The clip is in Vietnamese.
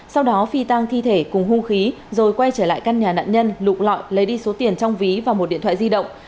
sau đó phi tăng thi thể cùng hung khí rồi quay trở lại căn nhà nạn nhân lụng lọi lấy đi số tiền trong ví và một điện thoại di động